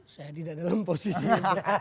saya tidak dalam posisi